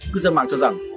cư dân mạng cho rằng